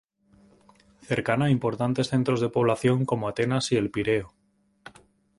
Cercana a importantes centros de población como Atenas y El Pireo.